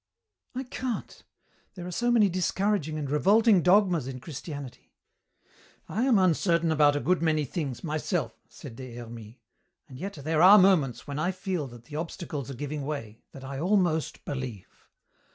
"I can't. There are so many discouraging and revolting dogmas in Christianity " "I am uncertain about a good many things, myself," said Des Hermies, "and yet there are moments when I feel that the obstacles are giving way, that I almost believe.